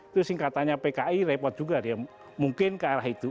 itu singkatannya pki repot juga dia mungkin ke arah itu